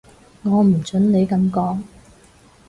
我唔準你噉講